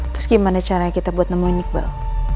terus gimana caranya kita buat nemuin iqbal